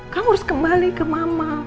kamu harus kembali ke mama